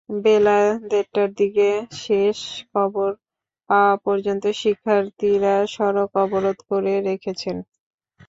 বেলা দেড়টার দিকে শেষ খবর পাওয়া পর্যন্ত শিক্ষার্থীরা সড়ক অবরোধ করে রেখেছেন।